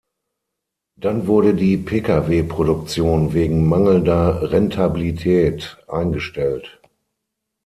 Dann wurde die Pkw-Produktion wegen mangelnder Rentabilität eingestellt.